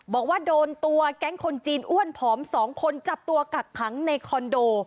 บอกว่าโดนตัวแก๊งคนจีนอ้วนผอม๒คนจับตัวกักขังในคอนโด